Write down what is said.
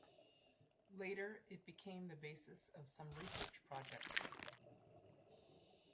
Later it became the basis of some research projects.